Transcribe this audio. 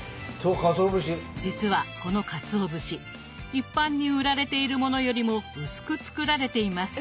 実はこのかつお節一般に売られているものよりも薄く作られています。